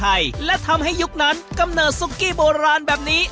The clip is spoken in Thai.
ไทยและทำให้ยุคนั้นกำเนิดซุกกี้โบราณแบบนี้